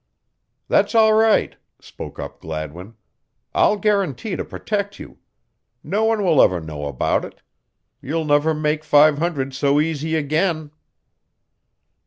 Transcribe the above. "That's all right," spoke up Gladwin. "I'll guarantee to protect you. No one will ever know about it. You'll never make five hundred so easy again."